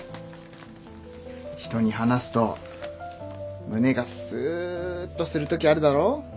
人に話すと胸がスッとする時あるだろ？